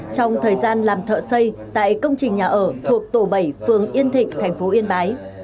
trong thời gian làm thợ xây tại công trình nhà ở thuộc tổ bảy phường yên thịnh thành phố yên bái